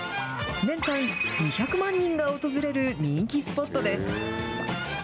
年間２００万人が訪れる人気スポットです。